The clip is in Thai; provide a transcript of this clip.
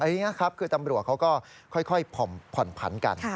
อย่างนี้ครับคือตำรวจเขาก็ค่อยผ่อนผันกัน